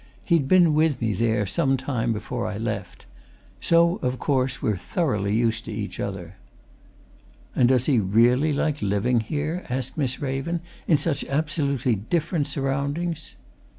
"He'd been with me for some time before I left. So, of course, we're thoroughly used to each other." "And does he really like living here?" asked Miss Raven. "In such absolutely different surroundings?"